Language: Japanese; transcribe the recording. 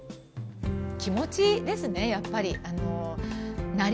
気持ちですね、やっぱり。